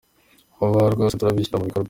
Vuba aha rwose turabishyira mu bikorwa.